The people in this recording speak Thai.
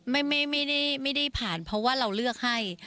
ไม่ได้ผ่านเพราะว่าเราเลือกให้